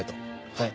はい。